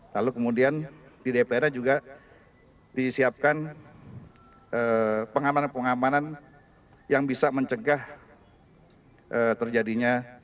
lalu kemudian di dpr nya juga disiapkan pengamanan pengamanan yang bisa mencegah terjadinya